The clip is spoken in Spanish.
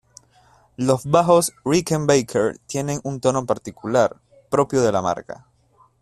Los bajos Rickenbacker tienen un tono particular, propio de la marca.